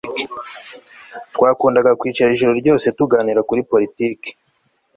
Twakundaga kwicara ijoro ryose tuganira kuri politiki